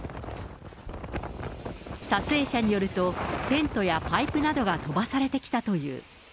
撮影者によると、テントやパイプなどが飛ばされてきたという。